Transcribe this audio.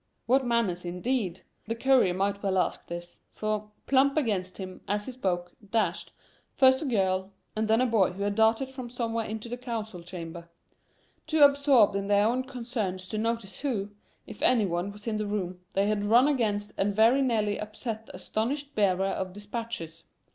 What manners indeed! The courier might well ask this. For, plump against him, as he spoke, dashed, first a girl and then a boy who had darted from somewhere into the council chamber. Too absorbed in their own concerns to notice who, if any one, was in the room, they had run against and very nearly upset the astonished bearer of dispatches.